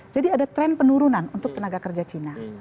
jadi ada tren penurunan untuk tenaga kerja cina